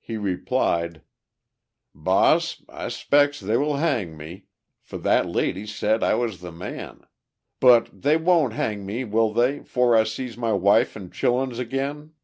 He replied: "Boss I 'spec's they will hang me, for that lady said I was the man, but they won't hang me, will they, 'fore I sees my wife and chilluns again?"